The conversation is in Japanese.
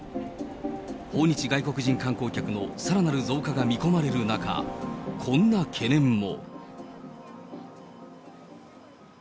訪日外国人観光客のさらなる増加が見込まれる中、こんな懸念も。